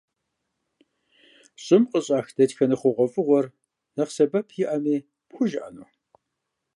ЩӀым къыщӀах дэтхэнэ хъугъуэфӀыгъуэр нэхъ сэбэп иӀэми пхужыӀэну?